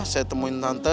saya temuin tante